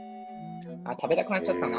あ食べたくなっちゃったな。